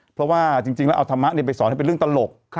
เพราะว่าเอาธรรมะเนี้ยไปสอนเป็นเรื่องตลก